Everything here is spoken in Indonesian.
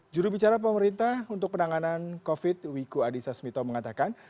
jurubicara pemerintah untuk penanganan covid wiku adhisa smito mengatakan